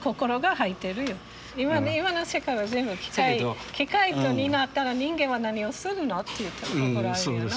今の世界は全部機械機械になったら人間は何をするのっていうところあるよな。